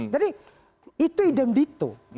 jadi itu idem gitu